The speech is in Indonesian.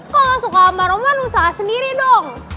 kalau suka sama roman usaha sendiri dong